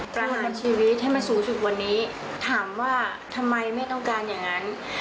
ประหารชีวิตให้มันสูงสุดวันนี้ถามว่าทำไมไม่ต้องการอย่างนั้น